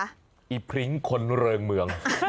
อีพริ้งคนเริงเมือง